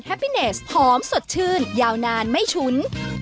แฮปปี้เนสหอมสดชื่นยาวนานไม่ฉุ้น